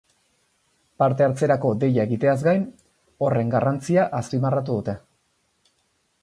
Parte-hartzerako deia egiteaz gain, horren garrantzia azpimarratu dute.